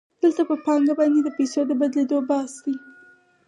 دلته په پانګه باندې د پیسو د بدلېدو بحث دی